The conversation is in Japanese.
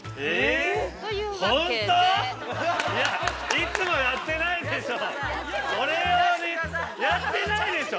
いつもやってないでしょう？